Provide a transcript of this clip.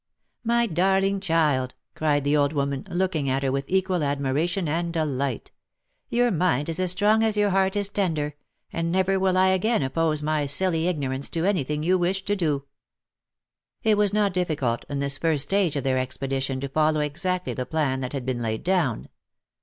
" My darling child !" cried the old woman, looking at her with equal admiration and delight, " your mind is as strong as your heart is tender, and never will I again oppose my silly ignorance to any thing you wish to do." It was not difficult in this first stage of their expedition to follow exactly the plan that had been laid down.